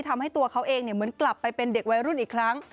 ทำให้ตัวเขาเองเหมือนกลับไปเป็นเด็กวัยรุ่นอีกครั้ง